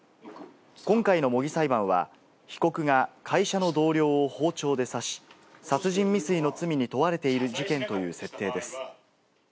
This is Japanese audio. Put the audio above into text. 今回の模擬裁判は、被告が会社の同僚を包丁で刺し、殺人未遂の罪に問われている事件という設定です。